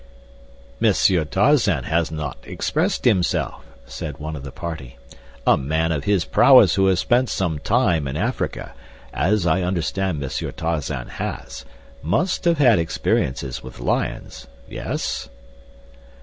"Monsieur Tarzan has not expressed himself," said one of the party. "A man of his prowess who has spent some time in Africa, as I understand Monsieur Tarzan has, must have had experiences with lions—yes?"